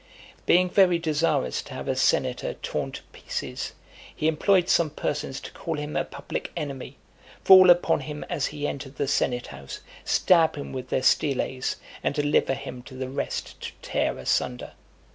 Being very desirous to have a senator torn to pieces, he employed some persons to call him a public enemy, fall upon him as he entered the senate house, stab him with their styles, and deliver him to the rest to tear asunder.